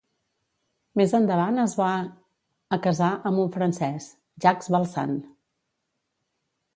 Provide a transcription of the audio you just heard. Més endavant es va a casar amb un francès, Jacques Balsan.